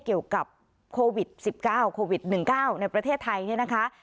เกี่ยวกับโควิด๑๙โควิด๑๙ในประเทศไทยเนี่ยนะคะ